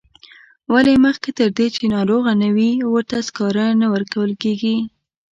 ولې مخکې تر دې چې ناروغه نه وي ورته سکاره نه ورکول کیږي.